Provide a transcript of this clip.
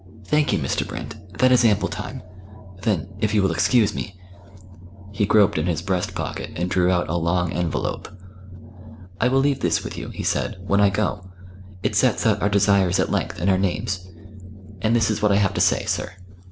"Thank you, Mr. Brand that is ample time. Then, if you will excuse me " He groped in his breast pocket, and drew out a long envelope. "I will leave this with you," he said, "when I go. It sets out our desires at length and our names. And this is what I have to say, sir."